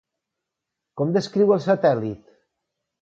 Com descriu el satèl·lit?